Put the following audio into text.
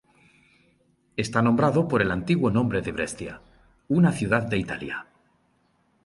Está nombrado por el antiguo nombre de Brescia, una ciudad de Italia.